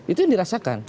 itu yang dirasakan